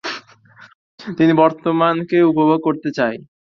আমি বর্তমানকে উপভোগ করতে চাই।